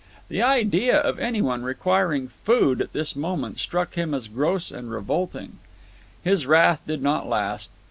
The idea of any one requiring food at this moment struck him as gross and revolting. His wrath did not last.